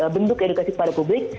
bentuk edukasi kepada publik